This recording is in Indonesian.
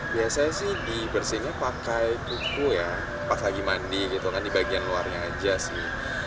biasanya sih dibersihnya pakai tuku ya pas lagi mandi gitu kan di bagian luarnya aja sih